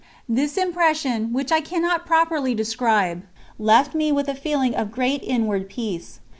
This impression, which I cannot properly describe, left me with a feeling of great inward peace.